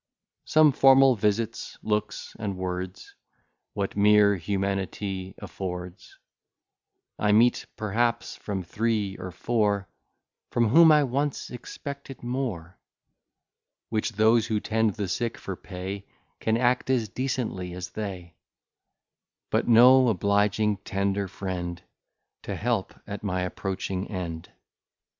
Some formal visits, looks, and words, What mere humanity affords, I meet perhaps from three or four, From whom I once expected more; Which those who tend the sick for pay, Can act as decently as they: But no obliging, tender friend, To help at my approaching end.